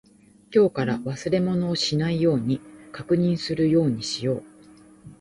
今日から忘れ物をしないように確認するようにしよう。